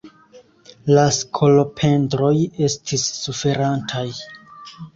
Ia skolopendroj estis suferantaj.